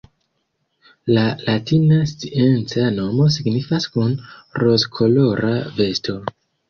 La latina scienca nomo signifas “kun rozkolora vesto”.